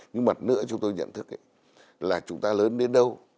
nhưng mặt nữa chúng tôi nhận thức là chúng ta lớn đến đâu